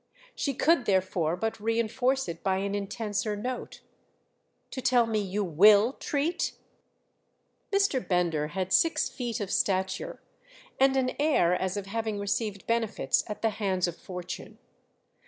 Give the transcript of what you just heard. She could therefore but reinforce it by an intenser note. "To tell me you will treat?" Mr. Bender had six feet of stature and an air as of having received benefits at the hands of fortune.